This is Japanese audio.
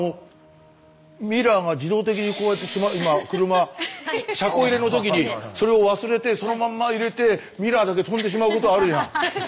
ミラーが自動的にこうやって今車車庫入れの時にそれを忘れてそのまんま入れてミラーだけ飛んでしまうことあるじゃん。